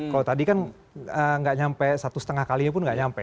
kalau tadi kan nggak nyampe satu setengah kalinya pun nggak nyampe